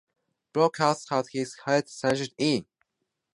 Brookhouse had his head smashed in.